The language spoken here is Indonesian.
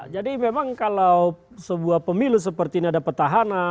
jadi memang kalau sebuah pemilu seperti ini ada petahana